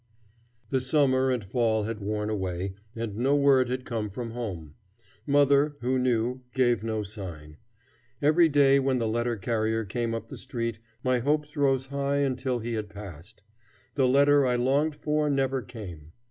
The summer and fall had worn away, and no word had come from home. Mother, who knew, gave no sign. Every day, when the letter carrier came up the street, my hopes rose high until he had passed. The letter I longed for never came.